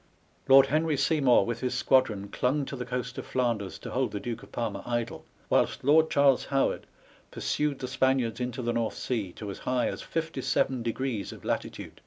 Lord Henry Sey mour with his squadron clung to the coast of Flanders to hold the Duke of Parma idle, whilst Lord Charles Howard pursued the Spaniards into the North Sea, to as high as 57 degrees of latitude.